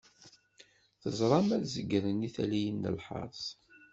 Teẓram ad zeggren i talliyin n lḥers.